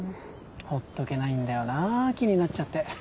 ほっとけないんだよなぁ気になっちゃって。